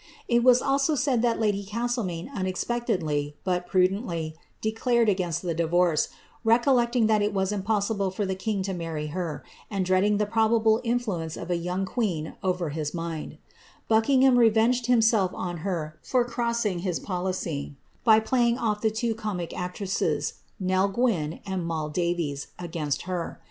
It was that lady Castlemaine unexpectedly, but prudendy, declared he divorce, recollecting that it was impossible for the king to r, and dreading the probable influence of a young queen over Buckingham revenged himself on her for crossing his policy, ig oflf the two comic actresses, Nell Gwynne and Moll Davies, er.